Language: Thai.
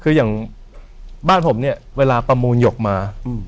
คืออย่างบ้านผมเนี่ยเวลาประมูลหยกมา